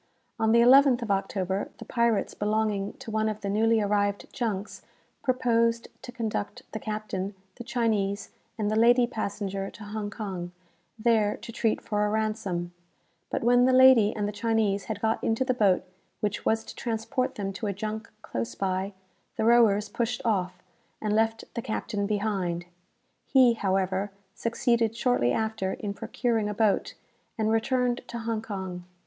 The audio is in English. On the 11th of October, the pirates belonging to one of the newly arrived junks proposed to conduct the captain, the Chinese, and the lady passenger to Hong Kong, there to treat for a ransom; but when the lady and the Chinese had got into the boat which was to transport them to a junk close by, the rowers pushed off, and left the captain behind. He, however, succeeded shortly after in procuring a boat, and returned to Hong Kong.